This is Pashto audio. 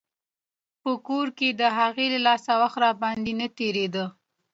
په کور کښې د هغې له لاسه وخت راباندې نه تېرېده.